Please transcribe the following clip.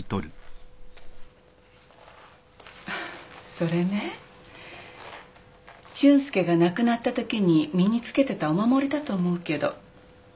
それね俊介が亡くなったときに身に着けてたお守りだと思うけど。